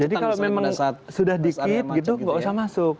jadi kalau memang sudah dikit gitu nggak usah masuk